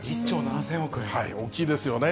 大きいですよね。